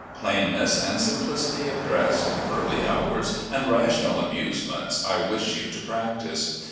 Plainness and simplicity of dress, early hours, and rational amusements, I wish you to practise.